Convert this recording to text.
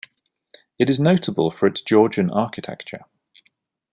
It is notable for its Georgian architecture.